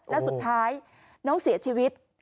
แล้วสุดท้ายน้องเสียชีวิต